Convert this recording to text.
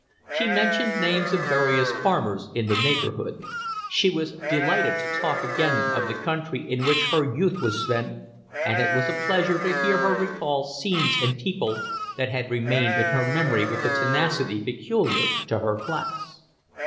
She mentioned names of various farmers in the neighbourhood. She was delighted to talk again of the country in which her youth was spent, and it was a pleasure to her to recall scenes and people that had remained in her memory with the tenacity peculiar to her class.